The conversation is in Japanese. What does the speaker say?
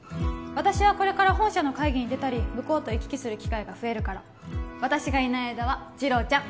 私はこれから本社の会議に出たり向こうと行き来する機会が増えるから私がいない間は次郎ちゃん